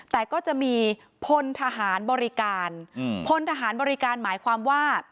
แต่ก็จะมีพลทหารบริการพลทหารบริการหมายความว่า